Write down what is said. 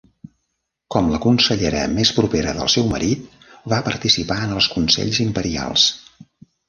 Com la consellera més propera del seu marit, va participar en els consells imperials.